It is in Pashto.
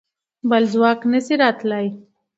بل څوک نه شي راتلای.